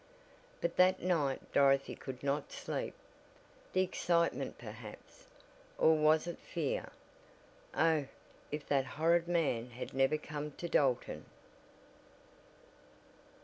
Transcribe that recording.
But that night Dorothy could not sleep. The excitement perhaps, or was it fear? Oh, if that horrid man had never come to Dalton!